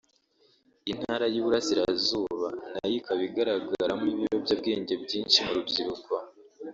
intara y’Uburasirazuba nayo ikaba igaragaramo ibiyobyabwenge byinshi mu rubyiruko